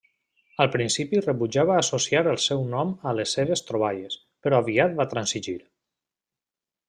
Al principi rebutjava associar el seu nom a les seves troballes, però aviat va transigir.